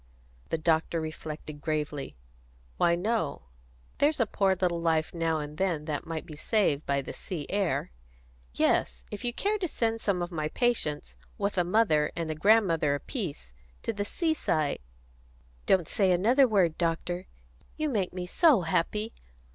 The doctor reflected gravely. "Why, no. There's a poor little life now and then that might be saved by the sea air. Yes, if you care to send some of my patients, with a mother and a grandmother apiece, to the seaside " "Don't say another word, doctor," cried Annie. "You make me so happy!